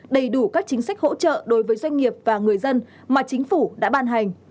đầy đủ các chính sách hỗ trợ đối với doanh nghiệp và người dân mà chính phủ đã ban hành